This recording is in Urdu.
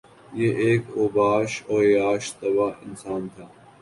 یہ ایک اوباش اور عیاش طبع انسان تھا